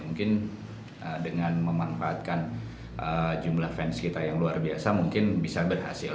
mungkin dengan memanfaatkan jumlah fans kita yang luar biasa mungkin bisa berhasil